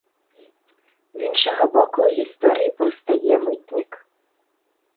З іншага боку ў гісторыі паўстае мытнік.